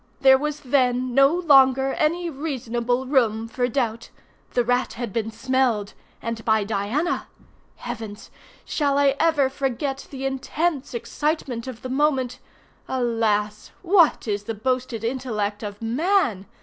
There was then no longer any reasonable room for doubt. The rat had been smelled—and by Diana. Heavens! shall I ever forget the intense excitement of the moment? Alas! what is the boasted intellect of man?